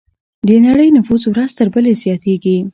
د نړۍ نفوس ورځ تر بلې زیاتېږي.